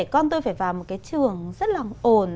con tôi phải vào một cái trường rất là ổn